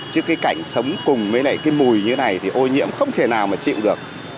chứ cái cảnh sống cùng với lại cái mùi như này thì ô nhiễm không thể nào mà chịu được